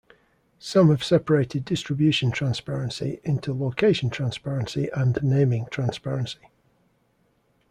Some have separated distribution transparency into location transparency and naming transparency.